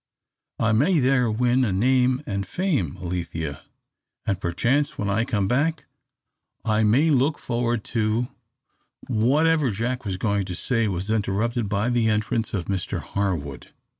I may there win a name and fame, Alethea; and perchance when I come back I may look forward to " Whatever Jack was going to say was interrupted by the entrance of Mr Harwood.